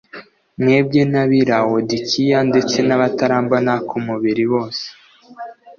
mwebwe n’ab’i Lawodikiya ndetse n’abatarambona ku mubiri bose